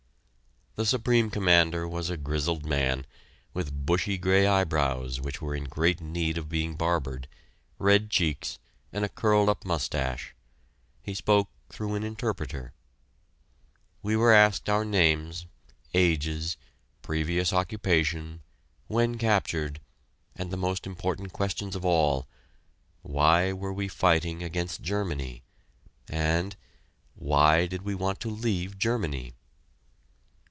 The Supreme Commander was a grizzled man, with bushy gray eyebrows which were in great need of being barbered, red cheeks, and a curled up mustache. He spoke through an interpreter. We were asked our names, ages, previous occupation, when captured, and the most important questions of all, "Why were we fighting against Germany?" and, "Why did we want to leave Germany?"